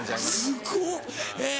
すごっえ。